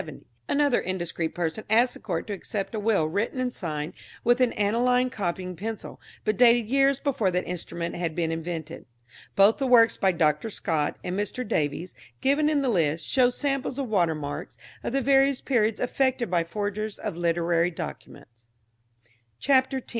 Another indiscreet person asked the Court to accept a will written and signed with an aniline copying pencil, but dated years before that instrument had been invented. Both the works by Dr. Scott and Mr. Davies, given in the list, show samples of watermarks of the various periods affected by forgers of literary documents. CHAPTER X.